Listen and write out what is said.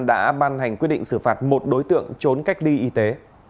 đã ban hành quyết định xử phạt một đối tượng trốn cách ly y tế